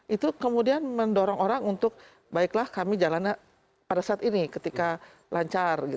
itu kemudian mendorong orang untuk baiklah kami jalannya pada saat ini ketika lancar